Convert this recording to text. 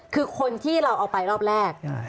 คือคนที่เราเอาไปรอบแรก